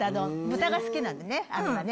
豚が好きなんだよね亜美はね。